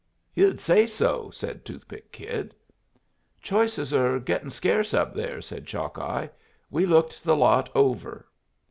"You'd say so!" said Toothpick Kid. "Choices are getting scarce up there," said Chalkeye. "We looked the lot over."